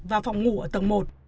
và phòng ngủ ở tầng một